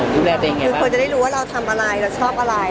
คุณจะได้รู้ว่าเราทำอะไรเราชอบอะไร